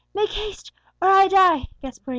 "Make haste or I die!" gasped poor Inez.